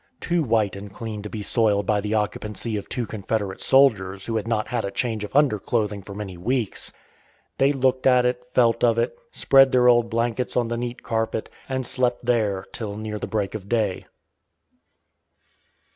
Too white and clean to be soiled by the occupancy of two Confederate soldiers who had not had a change of underclothing for many weeks. They looked at it, felt of it, spread their old blankets on the neat carpet, and slept there till near the break of day.